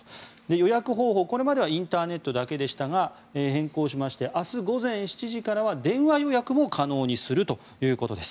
予約方法、これまではインターネットだけでしたが変更しまして明日午前７時からは電話予約も可能にするということです。